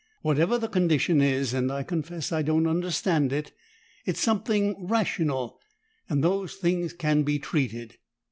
Whatever the condition is and I confess I don't understand it it's something rational, and those things can be treated."